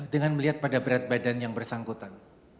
dengan melihat pada berat badan yang bersangkutan